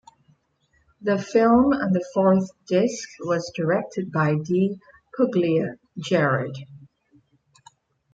The film on the fourth disc was directed by Di Puglia, Gerard.